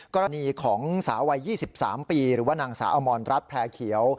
กรณีของสาววัย๒๓ปีหรือว่านางสาวอมรรัฐแพร่เขียว